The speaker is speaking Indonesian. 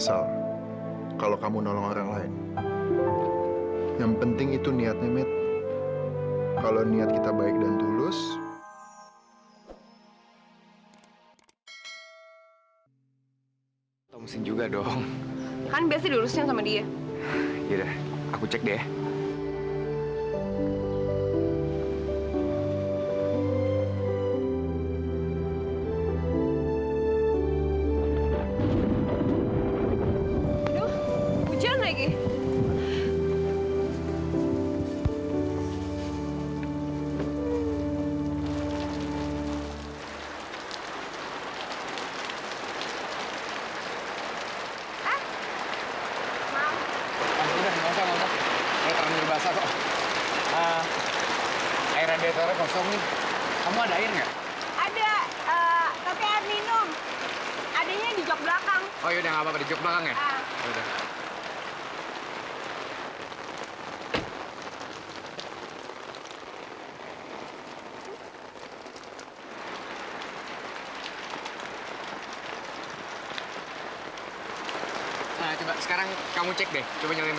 sampai jumpa di video selanjutnya